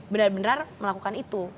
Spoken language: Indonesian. benar benar melakukan itu